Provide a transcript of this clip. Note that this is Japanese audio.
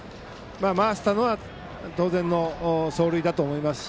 回すのは当然の走塁だと思いますし。